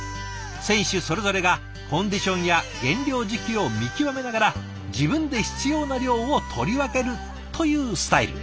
選手それぞれがコンディションや減量時期を見極めながら自分で必要な量を取り分けるというスタイル。